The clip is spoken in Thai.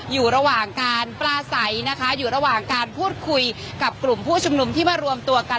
อยู่ระหว่างการปลาใสนะคะอยู่ระหว่างการพูดคุยกับกลุ่มผู้ชุมนุมที่มารวมตัวกัน